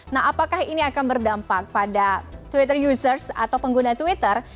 nah apakah ini akan berdampak pada twitter users atau pengguna twitter